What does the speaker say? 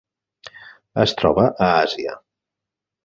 Es troba a Àsia.